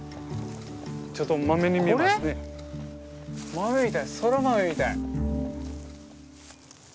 豆みたいそら豆みたい。